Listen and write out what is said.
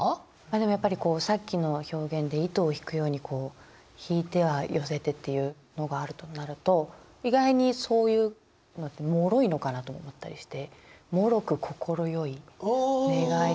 でもやっぱりさっきの表現で糸を引くように引いては寄せてっていうのがあるとなると意外にそういうのってもろいのかなと思ったりして「もろくこころよい寝返りの刹那に」っていう。